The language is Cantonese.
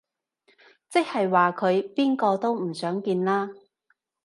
即係話佢邊個都唔想見啦